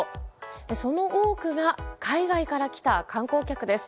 その多くが海外から来た観光客です。